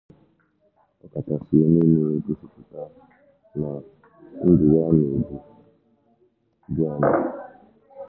ọkachasị onye ọ na-egosipụta na ndụ ya n'ụdị dị añaa